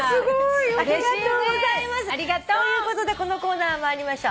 ということでこのコーナー参りましょう。